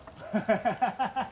ハハハハ！